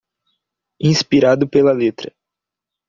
Inspirado pela letra